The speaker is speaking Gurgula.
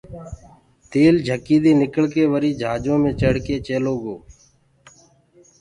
تيل جھڪيٚ دي نڪݪڪي وريٚ جھاجو مي چڙه ڪي چيلو گو